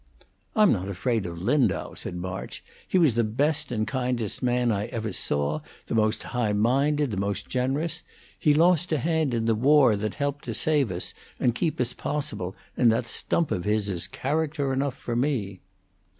"I'm not afraid of Lindau," said March. "He was the best and kindest man I ever saw, the most high minded, the most generous. He lost a hand in the war that helped to save us and keep us possible, and that stump of his is character enough for me."